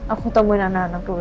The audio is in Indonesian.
aku temuin anak anak dulu